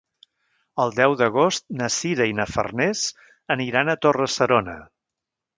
El deu d'agost na Sira i na Farners aniran a Torre-serona.